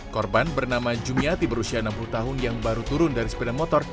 korban bernama jumia tiba usia enam puluh tahun yang baru turun dari sepeda motor